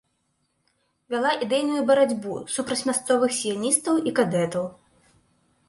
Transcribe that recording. Вяла ідэйную барацьбу супраць мясцовых сіяністаў і кадэтаў.